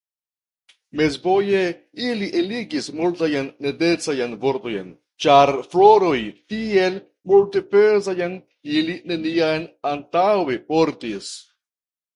Mezvoje ili eligis multajn nedecajn vortojn, ĉar florojn tiel multepezajn ili neniam antaŭe portis.